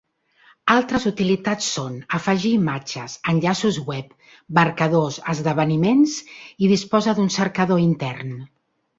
Altres utilitats són: afegir imatges, enllaços web, marcadors, esdeveniments i disposa d'un cercador intern.